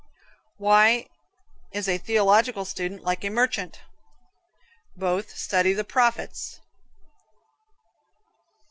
Why is a theological student like a merchant? Both study the Prophets (profits).